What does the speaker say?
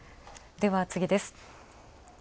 では次です。